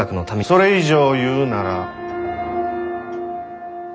それ以上言うなら。